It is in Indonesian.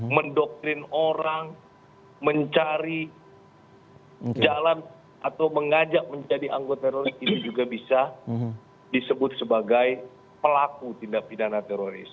mendoktrin orang mencari jalan atau mengajak menjadi anggota teroris ini juga bisa disebut sebagai pelaku tindak pidana teroris